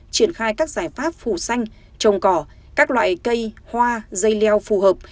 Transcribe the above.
triển khai các giải pháp phủ xanh trồng cỏ các loại cây hoa dây leo phù hợp